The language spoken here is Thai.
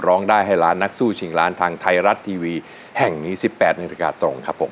ร้องได้ให้ล้านนักสู้ชิงล้านทางไทยรัฐทีวีแห่งนี้๑๘นาฬิกาตรงครับผม